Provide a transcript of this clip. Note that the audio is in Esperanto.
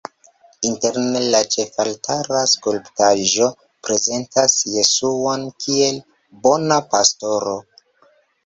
Interne la ĉefaltara skulptaĵo prezentas Jesuon kiel Bona Pastoro.